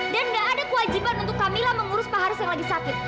dan nggak ada kewajiban untuk kamila mengurus pak haris yang lagi sakit